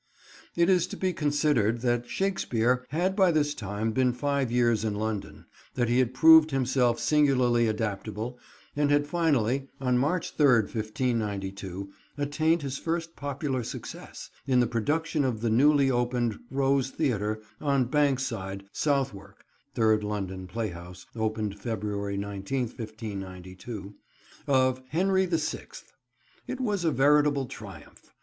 It is to be considered that Shakespeare had by this time been five years in London; that he had proved himself singularly adaptable, and had finally, on March 3rd, 1592, attained his first popular success, in the production at the newly opened "Rose Theatre" on Bankside, Southwark (third London playhouse, opened February 19th, 1592), of Henry the Sixth. It was a veritable triumph.